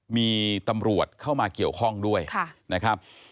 มีตำรวจเข้ามาเกี่ยวข้องด้วยนะครับ